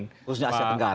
ya khususnya asia tenggara